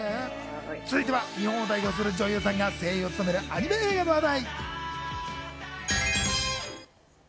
続いては日本を代表する女優さんが声優を務めるアニメ映画の話題。